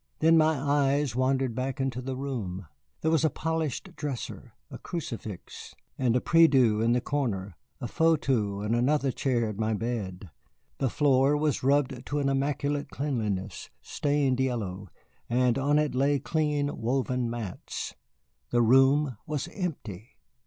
Then my eyes wandered back into the room. There was a polished dresser, a crucifix and a prie dieu in the corner, a fauteuil, and another chair at my bed. The floor was rubbed to an immaculate cleanliness, stained yellow, and on it lay clean woven mats. The room was empty!